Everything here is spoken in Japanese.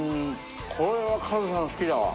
これはカズさん好きだわ。